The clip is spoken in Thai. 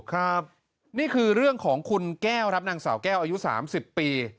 ครับนี่คือเรื่องของคุณแก้วครับนางสาวแก้วอายุ๓๐ปี